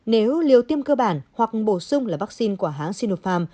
nếu liều tiêm cơ bản hoặc bổ sung là vaccine của hãng sinopharm